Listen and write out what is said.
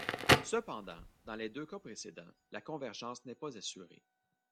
Cependant, dans les deux cas précédents, la convergence n'est pas assurée.